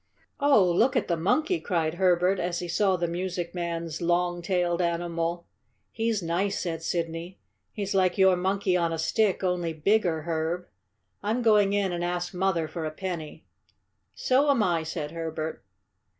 "Oh, look at the monkey!" cried Herbert, as he saw the music man's long tailed animal. "He's nice," said Sidney. "He's like your Monkey on a Stick, only bigger, Herb. I'm going in and ask mother for a penny." "So'm I!" said Herbert.